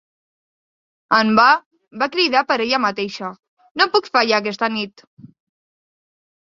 En va, va cridar per a ella mateixa "No puc fallar aquesta nit."